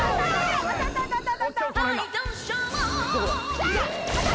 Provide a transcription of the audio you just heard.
来た！